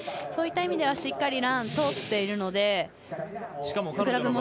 そういった意味でしっかりランが通っているので。